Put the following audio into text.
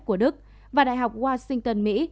của đức và đại học washington mỹ